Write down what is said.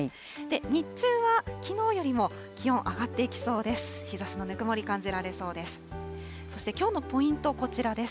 日中はきのうよりも気温上がっていきそうです。